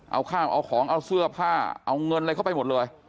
เอาข้าวเอาของเอาเสื้อผ้าเอาเงินอะไรเข้าไปหมดเลย